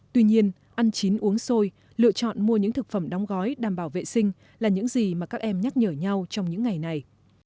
tuy nhiên ăn chín uống xôi lựa chọn mua những thực phẩm đóng gói đảm bảo vệ sinh là những gì mà các em nhắc nhở nhau trong những ngày này